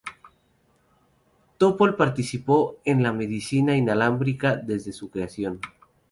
Topol participó en la Medicina Inalámbrica desde su creación.